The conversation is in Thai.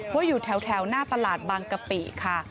ว่าอยู่แถวหน้าตลาดบางกะปิค่ะ